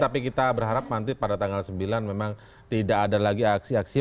tapi kita berharap nanti pada tanggal sembilan memang tidak ada lagi aksi aksi